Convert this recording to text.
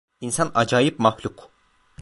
İnsan acayip mahluk…